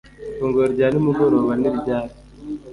ifunguro rya nimugoroba ni ryari